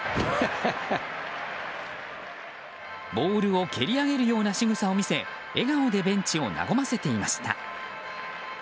ボールを蹴り上げるようなしぐさを見せ笑顔でベンチを和ませていました。